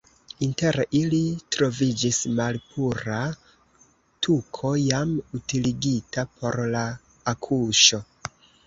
Inter ili troviĝis malpura tuko jam utiligita por la akuŝo.